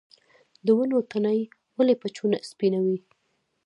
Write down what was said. د ونو تنې ولې په چونه سپینوي؟